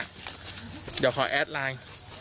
เดี๋ยวขอแอดไลน์